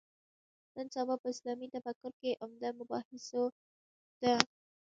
نن سبا په اسلامي تفکر کې عمده مباحثو ده.